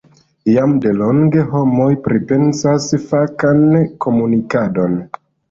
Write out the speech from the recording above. Jam delonge homoj pripensas fakan komunikadon.